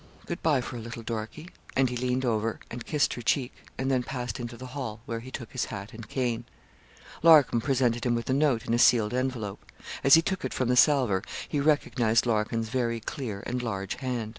Good bye for a little, Dorkie,' and he leaned over her and kissed her cheek, and then passed into the hall, where he took his hat and cane. Larcom presented him with a note, in a sealed envelope. As he took it from the salver he recognised Larkin's very clear and large hand.